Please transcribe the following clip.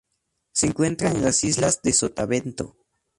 Se encuentra en las Islas de Sotavento.